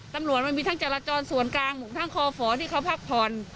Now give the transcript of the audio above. มันมีทั้งจราจรส่วนกลางทั้งคอฝที่เขาพักผ่อน